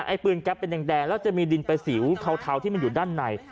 ไอปืนแก๊ปเป็นแดงแล้วจะมีดินประสิวเทาที่มันอยู่ด้านใน